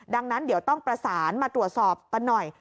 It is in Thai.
ดังนั้นเดี๋ยวต้องประสานมาตรวจสอบกันหน่อย